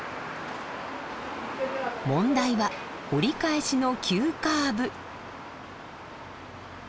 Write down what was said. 問題は折り返しの急カーブ。